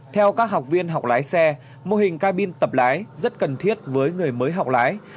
theo các học viên học lái xe mô hình cabin tập lái rất cần thiết với người mới học lái